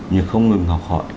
nhưng không ngừng học hỏi